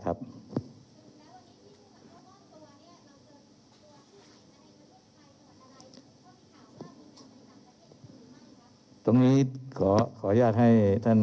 เรามีการปิดบันทึกจับกลุ่มเขาหรือหลังเกิดเหตุแล้วเนี่ย